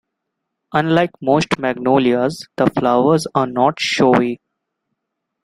Unlike most magnolias, the flowers are not showy.